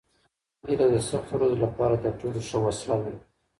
هیله د سختو ورځو لپاره تر ټولو ښه وسله ده.